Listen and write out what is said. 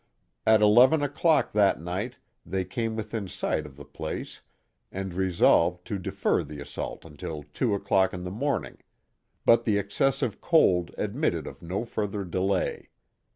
At eleven o'clock that night they came within sight of the place and resolved to defer the assault until two o'clock in the morning, but the ex cessive cold admitted of no further delay.